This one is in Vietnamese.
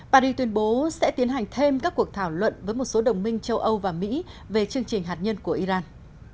paris tuyên bố sẽ tiến hành thêm các cuộc thảo luận với một số đồng minh châu âu và mỹ về chương trình hạt nhân của iran